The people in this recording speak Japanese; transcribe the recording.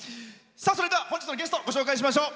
それでは本日のゲスト紹介いたしましょう。